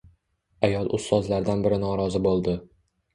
Ayol ustozlardan biri norozi bo‘ldi.